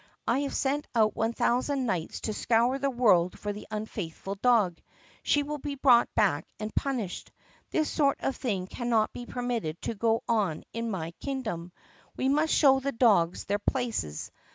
I have sent out one thousand knights to scour the world for the unfaithful dog. She will be brought back and punished. This sort of thing cannot be permitted to go on in my kingdom. We must show the dogs their places.